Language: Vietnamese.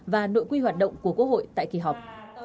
và nội quy hoạt động của quốc hội tại kỳ họp